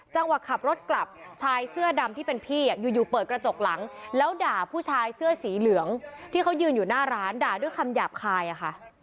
จังหวะขับรถกลับชายเสื้อดำที่เป็นพี่อยู่เปิดกระจกหลังแล้วด่าผู้ชายเสื้อสีเหลืองที่เขายืนอยู่หน้าร้านด่าด้วยคำหยาบคายอะค่ะ